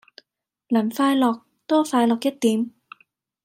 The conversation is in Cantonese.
能快樂，多快樂一點。